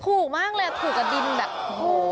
ถูกมากเลยถูกกับดินแบบโอ้โห